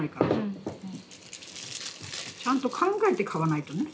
ちゃんと考えて買わないとね。